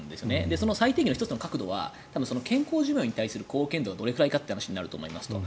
その再定義の１つの確度は健康寿命に対する貢献度はどれくらいかって話になると思います。